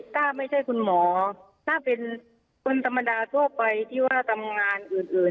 ถ้าไม่ใช่คุณหมอถ้าเป็นคนธรรมดาทั่วไปที่ว่าทำงานอื่น